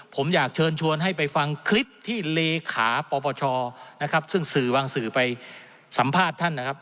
ผมอยากเชิญชวนให้ไปฟังคลิปที่เลขาปปชนะครับซึ่งสื่อบางสื่อไปสัมภาษณ์ท่านนะครับ